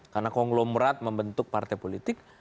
karena konglomerat membentuk partai politik